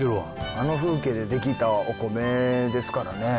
あの風景で出来たお米ですからね。